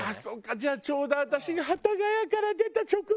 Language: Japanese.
じゃあちょうど私が幡ヶ谷から出た直後だ。